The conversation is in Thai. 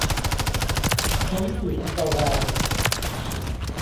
พ้นขีดอันตราย